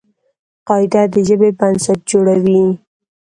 قاعده د ژبي بنسټ جوړوي.